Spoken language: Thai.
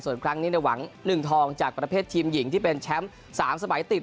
ส่วนครั้งนี้หวัง๑ทองจากประเภททีมหญิงที่เป็นแชมป์๓สมัยติด